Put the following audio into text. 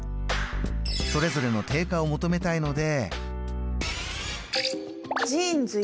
それぞれの定価を求めたいので。